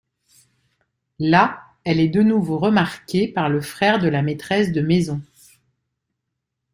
Là, elle est de nouveau remarquée par le frère de la maîtresse de maison.